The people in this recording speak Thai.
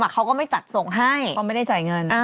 เขาก็ไม่จัดส่งให้